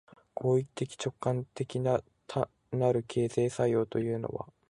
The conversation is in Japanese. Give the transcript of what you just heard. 行為的直観的なる形成作用というのは、